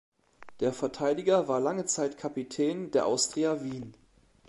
Der Verteidiger war lange Zeit Kapitän der Austria Wien.